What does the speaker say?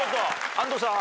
安藤さん